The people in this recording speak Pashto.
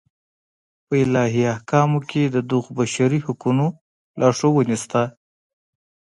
په الهي احکامو کې د دغو بشري حقونو لارښوونې شته.